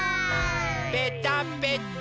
ぺたぺた。